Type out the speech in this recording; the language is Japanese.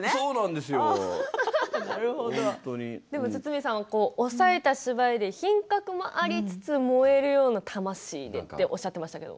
でも、堤さんは抑えた芝居で品格もありつつ燃えるような魂でとおっしゃっていましたけど。